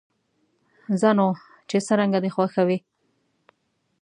ځه نو، چې څرنګه دې خوښه وي.